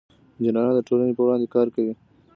انجینران د ټولنې په وړاندې کار کوي.